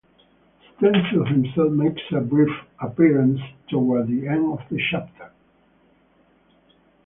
Stencil himself makes a brief appearance toward the end of the chapter.